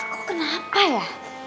kok kenapa ya